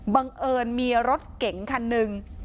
บังเอิญมีรถเก๋งคันหนึ่ง